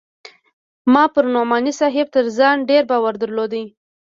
ما پر نعماني صاحب تر ځان ډېر باور درلود.